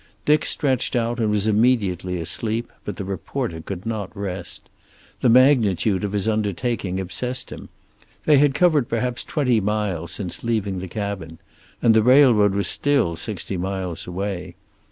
Dick stretched out and was immediately asleep, but the reporter could not rest. The magnitude of his undertaking obsessed him. They had covered perhaps twenty miles since leaving the cabin, and the railroad was still sixty miles away.